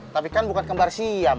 tapi kan bukan kembar siap